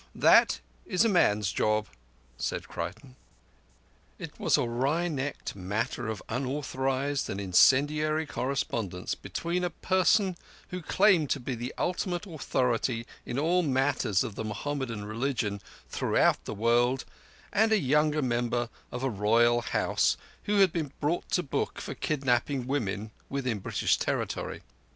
That is a man's job," said Creighton. It was a wry necked matter of unauthorized and incendiary correspondence between a person who claimed to be the ultimate authority in all matters of the Mohammedan religion throughout the world, and a younger member of a royal house who had been brought to book for kidnapping women within British territory.